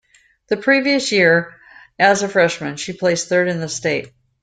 The previous year as a freshman she placed third in the state.